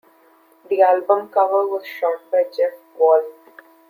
The album cover was shot by Jeff Wall.